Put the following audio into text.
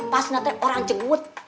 nanti orang jenggut